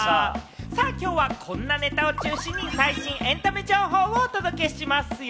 きょうはこんなネタを中心に最新エンタメ情報をお届けしますよ。